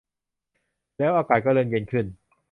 แล้วอากาศก็เริ่มเย็นขึ้น